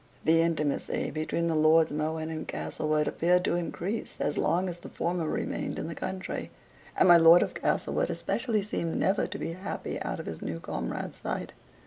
The intimacy between the Lords Mohun and Castlewood appeared to increase as long as the former remained in the country; and my Lord of Castlewood especially seemed never to be happy out of his new comrade's sight.